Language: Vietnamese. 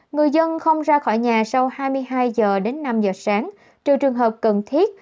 người dân không ra khỏi nhà sau hai mươi hai h đến năm h sáng trừ trường hợp cần thiết